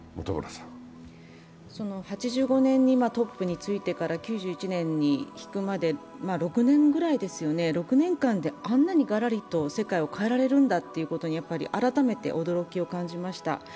８５年にトップについてから９１年に引くまで６年ぐらいですよね、６年間であんなにガラリと世界を変えられるんだと改めて驚きを感じました。